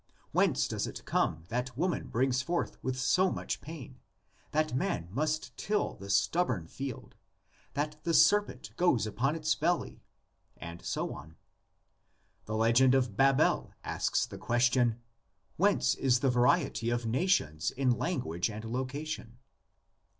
Whence does it come that woman brings forth with so much pain, that man must till the stubborn field, that the serpent goes upon its belly, and so on? The legend of Babel asks the question. Whence is the variety of nations in language and location?